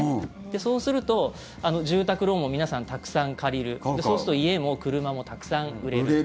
そうすると住宅ローンも皆さん、たくさん借りるそうすると家も車もたくさん売れる。